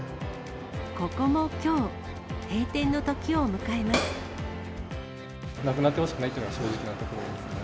ここもきょう、なくなってほしくないというのが正直なところですかね。